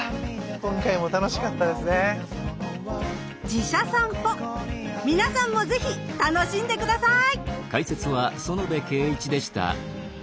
寺社さんぽ皆さんも是非楽しんで下さい。